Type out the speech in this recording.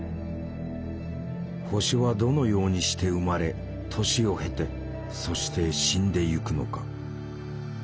星はどのようにして生まれ年を経てそして死んでゆくのか。